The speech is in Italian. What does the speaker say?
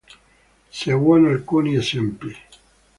Seguono alcuni esempi.